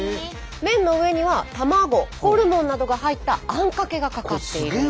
麺の上には卵ホルモンなどが入ったあんかけがかかっているんです。